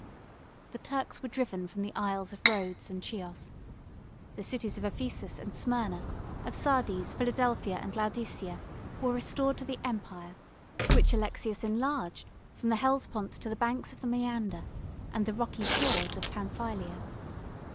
The Turks were driven from the Isles of Rhodes and Chios: the cities of Ephesus and Smyrna, of Sardes, Philadelphia, and Laodicea, were restored to the empire, which Alexius enlarged from the Hellespont to the banks of the Mæander, and the rocky shores of Pamphylia.